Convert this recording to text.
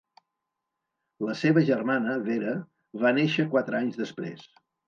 La seva germana, Vera, va néixer quatre anys després.